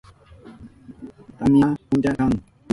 Tamya puncha kan.